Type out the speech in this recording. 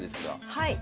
はい。